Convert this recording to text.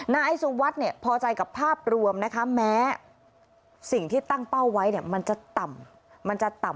นายสุวัสดิ์พอใจกับภาพรวมนะคะแม้สิ่งที่ตั้งเป้าไว้มันจะต่ำ